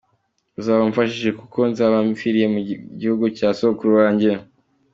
Uzaba umfashije kuko nzaba mpfiriye mu gihugu cya sogokuru wanjye.